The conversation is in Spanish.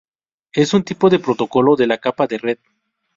Es un tipo de protocolo de la capa de red.